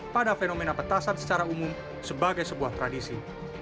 pada fenomena petasan secara umum sebagai sebuah tradisi